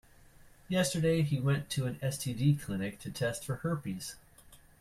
Yesterday, he went to an STD clinic to test for herpes.